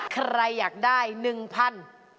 ใครอยากได้หนึ่งพัน